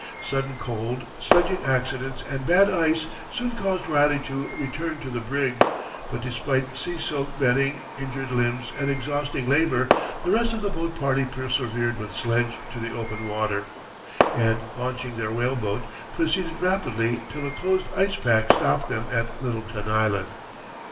Sudden cold, sledging accidents, and bad ice soon caused Riley to return to the brig; but despite sea soaked bedding, injured limbs, and exhausting labor, the rest of the boat party persevered with sledge to the open water, and, launching their whaleboat, proceeded rapidly till a closed ice pack stopped them at Littleton Island.